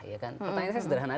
pertanyaan saya sederhana